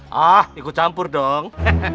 hah ikut campur dong